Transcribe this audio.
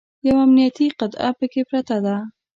یوه امنیتي قطعه پکې پرته ده.